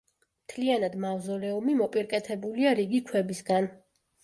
მთლიანად მავზოლეუმი მოპირკეთებულია რიგი ქვებისგან.